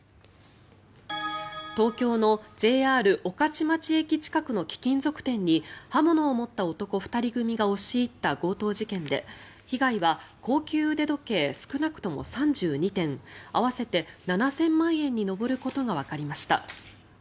東京のＪＲ御徒町駅近くの貴金属店に刃物を持った男２人組が押し入った強盗事件で被害は高級腕時計少なくとも３２点合わせて７０００万円に上ることがわかりました。